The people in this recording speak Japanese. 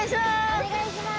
お願いします！